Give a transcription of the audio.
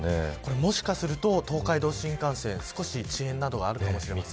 もしかすると、東海道新幹線少し、遅延などがあるかもしれません。